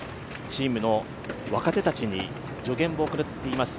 チームの若手たちに助言を送っています。